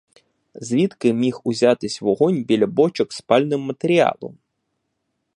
Звідки міг узятись вогонь біля бочок з пальним матеріалом?